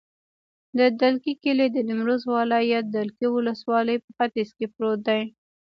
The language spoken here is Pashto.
د دلکي کلی د نیمروز ولایت، دلکي ولسوالي په ختیځ کې پروت دی.